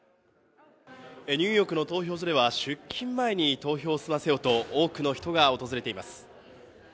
ニューヨークの投票所では、出勤前に投票を済ませようと、多くの人が訪れています。